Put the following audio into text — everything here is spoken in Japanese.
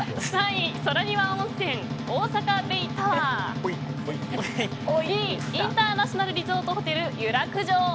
２位、インターナショナルリゾートホテル湯楽城。